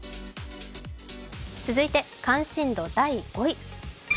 続いて関心度第５位。